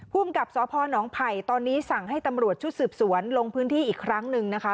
ภูมิกับสพนไผ่ตอนนี้สั่งให้ตำรวจชุดสืบสวนลงพื้นที่อีกครั้งหนึ่งนะคะ